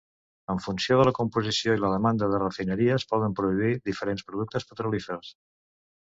En funció de la composició i la demanda, les refineries poden produir diferents productes petrolífers.